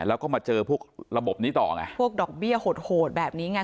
แล้วก็มาเจอพวกระบบนี้ต่อไงพวกดอกเบี้ยโหดโหดแบบนี้ไง